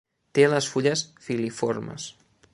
Té les fulles filiformes.